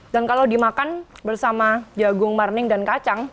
dan kalau dimakan bersama jagung marning dan kacang